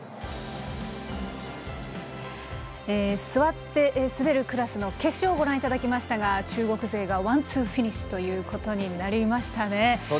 座って滑るクラスの決勝をご覧いただきましたが中国勢がワンツーフィニッシュとなりましたね。